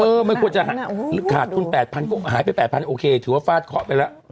ไม่ควรจะขาดทุน๘๐๐ก็หายไป๘๐๐โอเคถือว่าฟาดเคาะไปแล้ว